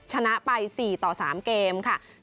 ชนะไป๔ต่อ๓เกมค่ะ